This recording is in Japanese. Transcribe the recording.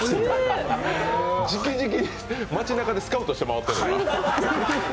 じきじきに町なかでスカウトして回ってんのか。